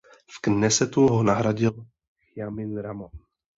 V Knesetu ho nahradil Chajim Ramon.